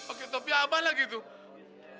oke tapi abah lagi tuh